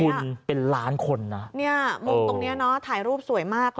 คุณเป็นล้านคนนะเนี่ยมุมตรงเนี้ยเนอะถ่ายรูปสวยมากเลย